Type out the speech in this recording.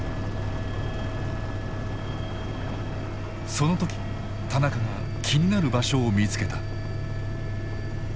その時田中が気になる場所を見つけた。